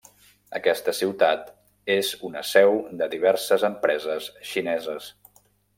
Aquesta ciutat és una seu de diverses empreses xineses.